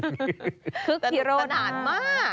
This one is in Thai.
ทิโรห์ตาร์ดมาก